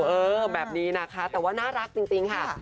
เออแบบนี้นะคะแต่ว่าน่ารักจริงค่ะ